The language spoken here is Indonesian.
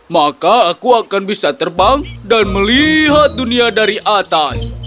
maka aku akan bisa terbang dan melihat dunia dari atas